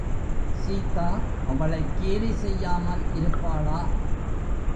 சீதா அவளைக் கேலி செய்யாமல் இருப்பாளா?